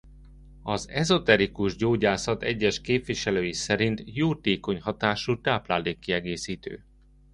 Az ezoterikus gyógyászat egyes képviselői szerint jótékony hatású táplálékkiegészítő.